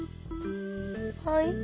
はい？